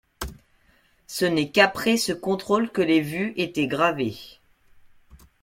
Ce n'est qu'après ce contrôle que les vues étaient gravées.